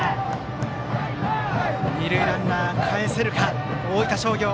二塁ランナーかえせるか大分商業。